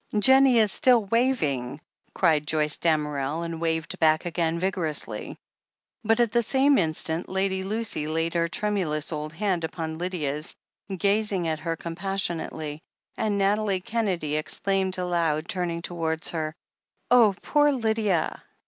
"Jennie is still waving!" cried Joyce Damerel, and waved back again vigorously. But at the same instant Lady Lucy laid her trem ulous old hand upon Lydia's, gazing at her compas sionately, and Nathalie Kennedy exclaimed aloud, turn ing towards her : "Oh, poor Lydia